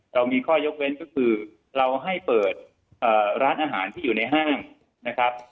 เรามีข้อยกเว้นก็คือเราให้เปิดร้านอาหารที่อยู่ในห้างนะครับ